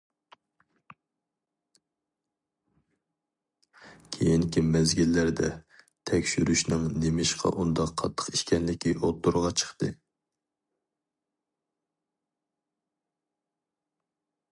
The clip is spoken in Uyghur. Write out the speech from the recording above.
كېيىنكى مەزگىللەردە تەكشۈرۈشنىڭ نېمىشقا ئۇنداق قاتتىق ئىكەنلىكى ئوتتۇرىغا چىقتى.